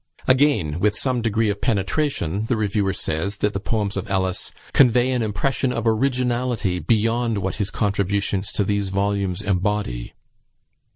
Again, with some degree of penetration, the reviewer says, that the poems of Ellis "convey an impression of originality beyond what his contributions to these volumes embody."